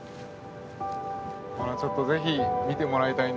ほらちょっとぜひ見てもらいたいんですね